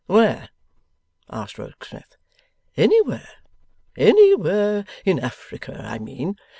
'Where?' asked Rokesmith. 'Anywhere. Anywhere in Africa, I mean.